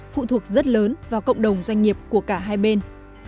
phụ thuộc rất lớn vào cộng đồng doanh nghiệp của cả hai bên